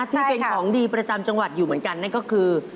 ที่เป็นของดีประจำจังหวัดอยู่เหมือนกันนั่นก็คือ